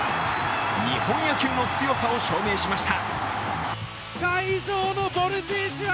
日本野球の強さを証明しました。